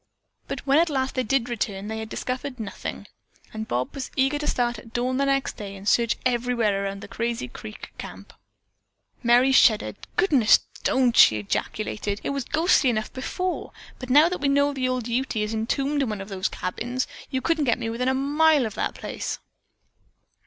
But when at last they did return, they had discovered nothing, and Bob was eager to start at dawn the next day and search everywhere around the Crazy Creek Camp. Merry shuddered. "Goodness, don't!" she ejaculated. "It was ghostly enough before, but now that we know that old Ute is entombed in one of those cabins, you couldn't get me within a mile of the place."